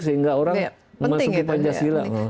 sehingga orang masuk ke pancasila